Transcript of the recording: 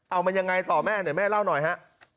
เอามันยังไงต่อแม่เดี๋ยวแม่เล่าหน่อยฮะ